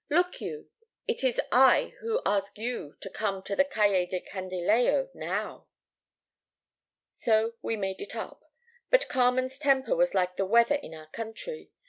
Look you, it is I who ask you to come to the Calle del Candilejo, now!' "So we made it up: but Carmen's temper was like the weather in our country.